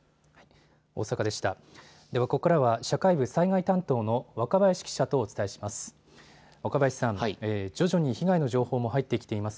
ここらは社会部災害担当の若林記者とお伝えしていきます。